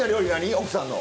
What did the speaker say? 奥さんの。